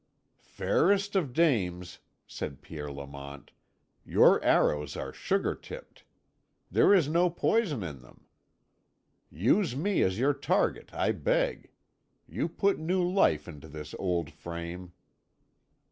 "Fairest of dames," said Pierre Lamont, "your arrows are sugar tipped; there is no poison in them. Use me as your target, I beg. You put new life into this old frame."